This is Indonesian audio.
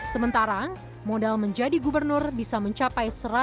sementara modal menjadi gubernur bisa mencapai dua puluh miliar rupiah